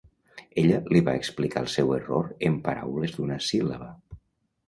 Ella li va explicar el seu error en paraules d'una síl·laba.